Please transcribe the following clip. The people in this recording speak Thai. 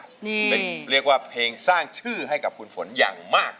เป็นเรียกว่าเพลงสร้างชื่อให้กับคุณฝนอย่างมาก